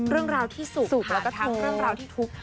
เรื่องราวที่สูบและทะงแล้วก็ผูก